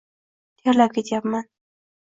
Terlab ketyapman.